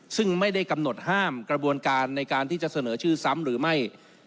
ซึ่งไม่ได้กำหนดห้ามกระบวนการในการที่จะเสนอชื่อซ้ำหรือไม่